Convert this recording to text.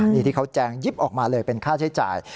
นี่ที่เขาแจงยิบออกมาเลยเป็นค่าใช้จ่าย